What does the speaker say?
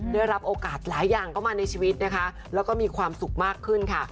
ได้รับโอกาสหลายอย่างเข้ามาในชีวิตนะคะแล้วก็มีความสุขมากขึ้นค่ะ